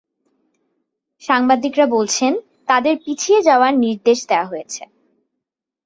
সাংবাদিকরা বলছেন, তাদের পিছিয়ে যাওয়ার নির্দেশ দেওয়া হয়েছে।